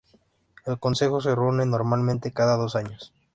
El Consejo se reúne normalmente cada dos años.